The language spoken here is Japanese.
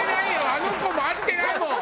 あの子も会ってないもん